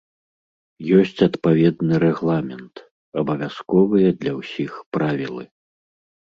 Ёсць адпаведны рэгламент, абавязковыя для ўсіх правілы.